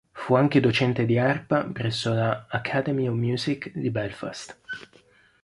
Fu anche docente di arpa presso la "Academy of Music" di Belfast.